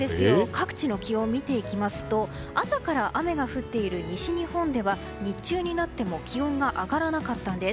各地の気温を見ていきますと朝から雨が降っている西日本では日中になっても気温が上がらなかったんです。